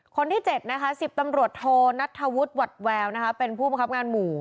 คนที่๗นะคะ๑๐ตำรวจโทนัทธวุฒิหวัดแววเป็นผู้บังคับงานหมู่